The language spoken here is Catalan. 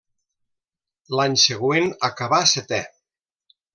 L'any següent acabà setè.